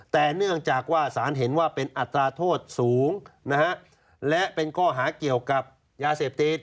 แต่เนื่องจากว่าสารเห็นว่าเป็นอัตราโทษสูงนะฮะและเป็นข้อหาเกี่ยวกับยาเสพติด